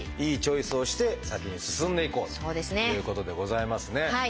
いいチョイスをして先に進んでいこうということでございますね。